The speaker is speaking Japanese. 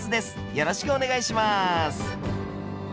よろしくお願いします。